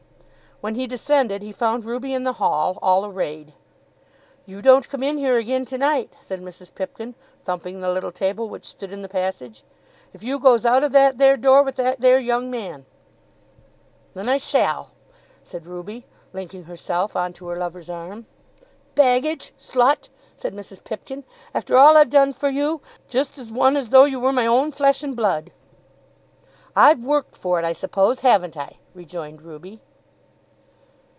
When he descended, he found Ruby in the hall, all arrayed. "You don't come in here again to night," said Mrs. Pipkin, thumping the little table which stood in the passage, "if you goes out of that there door with that there young man." "Then I shall," said Ruby linking herself on to her lover's arm. "Baggage! Slut!" said Mrs. Pipkin; "after all I've done for you, just as one as though you were my own flesh and blood." "I've worked for it, I suppose; haven't I?" rejoined Ruby.